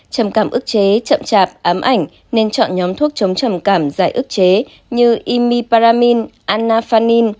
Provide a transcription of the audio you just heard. trầm cảm ức chế chậm chạp ám ảnh nên chọn nhóm thuốc chống trầm cảm dài ức chế như imiparamine anafanin